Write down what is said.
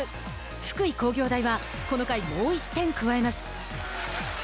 福井工業大はこの回もう一点加えます。